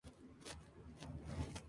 Fueron cuatro años largos de penurias.